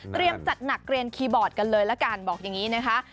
จัดหนักเรียนคีย์บอร์ดกันเลยละกันบอกอย่างนี้นะคะ